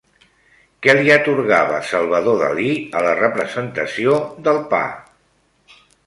Què li atorgava Salvador Dalí a la representació del pa?